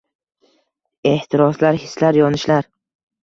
Ehtiroslar, hislar, yonishlar